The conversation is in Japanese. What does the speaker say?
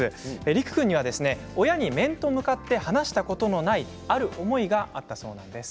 りく君には親に面と向かって話したことのない、ある思いがあったそうなんです。